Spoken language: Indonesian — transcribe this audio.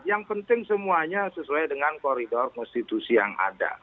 yang penting semuanya sesuai dengan koridor konstitusi yang ada